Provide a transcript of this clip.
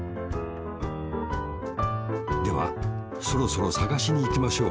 ではそろそろさがしにいきましょう。